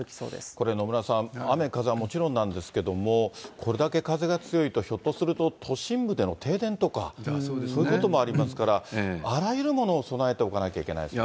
これ、野村さん、雨風はもちろんなんですけども、これだけ風が強いと、ひょっとすると都心部でも停電とか、そういうこともありますから、あらゆるものを備えておかなきゃいけないですね。